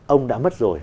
ông đã mất rồi